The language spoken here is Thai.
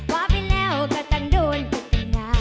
ว่าไปแล้วก็ตั้งโดนก็ตั้งงาน